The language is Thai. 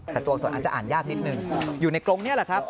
แต่ตัวสวนออกจะอ่านยากนิดนึง